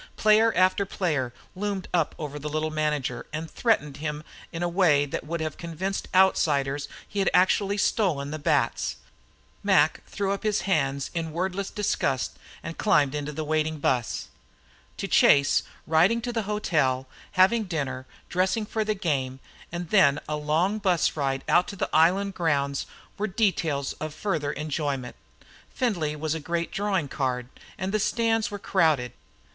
Player after player loomed up over the little manager and threatened him in a way that would have convinced outsiders he had actually stolen the bats. Mac threw up his hands, and in wordless disgust climbed into the waiting bus. To Chase, riding to the hotel, having dinner, dressing for the game, and then a long bus ride out to the island grounds were details of further enjoyment. Findlay was a great drawing card and the stands were crowded.